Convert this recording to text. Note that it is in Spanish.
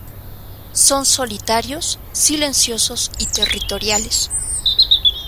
Son solitarios, silenciosos y territoriales.